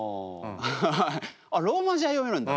あっローマ字は読めるんだと。